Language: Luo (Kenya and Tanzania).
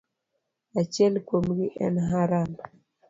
Achiel kuomgi en Haran.